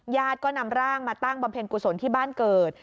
ญาติก็นำร่างมาตั้งบำเพ็ญกุศลที่บ้านเกิด